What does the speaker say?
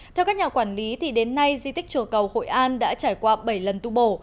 theo các nhà quản lý đến nay di tích chùa cầu hội an đã trải qua bảy lần tu bổ